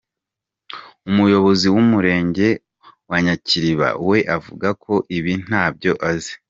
Umuyobozi w’Umurenge wa Nyakiriba we avuga ko ibi ntabyo azi.